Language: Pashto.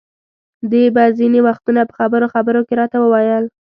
دې به ځینې وختونه په خبرو خبرو کې راته ویل.